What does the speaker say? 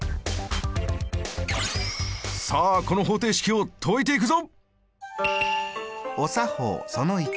さあこの方程式を解いていくぞ！